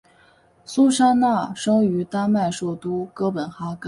苏珊娜生于丹麦首都哥本哈根。